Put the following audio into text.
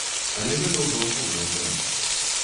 Але гэта ўжо асобная тэма.